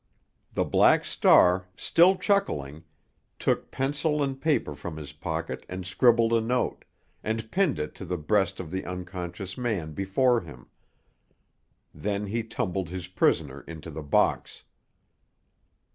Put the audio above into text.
The Black Star, still chuckling, took pencil and paper from his pocket and scribbled a note, and pinned it to the breast of the unconscious man before him. Then he tumbled his prisoner into the box.